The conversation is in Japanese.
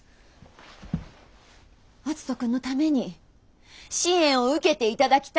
篤人君のために支援を受けていただきたいんです。